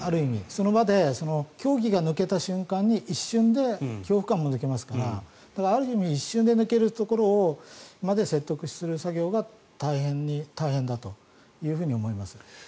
その場で教義が抜けた瞬間に一瞬で恐怖感が抜けますからだからある意味一瞬で抜けるところまで説得する作業が大変だというふうに思います。